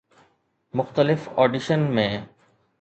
مختلف آڊيشن ۾